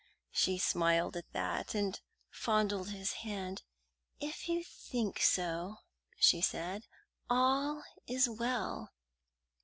She smiled at that, and fondled his hand. "If you think so," she said, "all is well."